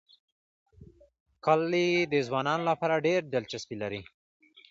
کلي د ځوانانو لپاره ډېره دلچسپي لري.